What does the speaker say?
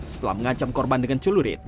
setelah mengancam korban dengan celurit